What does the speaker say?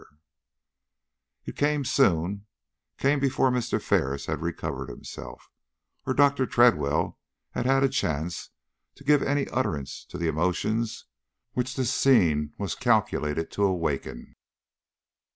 It came soon came before Mr. Ferris had recovered himself, or Dr. Tredwell had had a chance to give any utterance to the emotions which this scene was calculated to awaken.